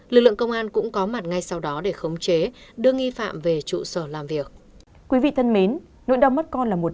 lực lượng công an cũng có mặt ngay sau đó để khống chế đưa nghi phạm về trụ sở làm việc